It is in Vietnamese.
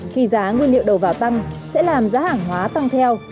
khi giá nguyên liệu đầu vào tăng sẽ làm giá hàng hóa tăng theo